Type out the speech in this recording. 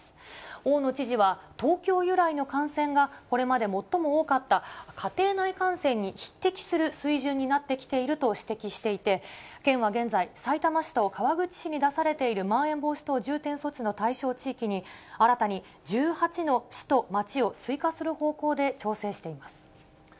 大野知事は、東京由来の感染がこれまで最も多かった家庭内感染に匹敵する水準になってきていると指摘していて、県は現在、さいたま市と川口市に出されているまん延防止等重点措置の対象地域に、新たに１８の市と町を追加する方向で調整しています。